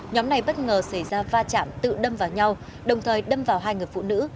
nhóm này bất ngờ xảy ra va chạm tự đâm vào nhau đồng thời đâm vào hai người phụ nữ